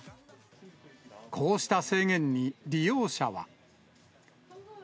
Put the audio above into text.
こうした制限に利用者は。